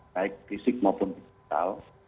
baik fisik maupun digital